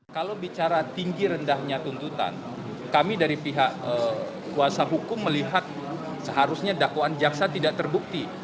kalau bicara tinggi rendahnya tuntutan kami dari pihak kuasa hukum melihat seharusnya dakwaan jaksa tidak terbukti